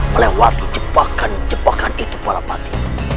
melewati jebakan jebakan itu palapati